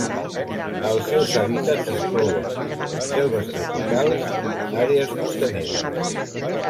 Els seus hàbitats inclouen selves tropicals, àrees costaneres.